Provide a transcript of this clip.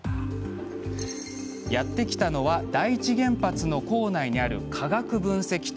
やって来たのは第一原発の構内にある化学分析棟。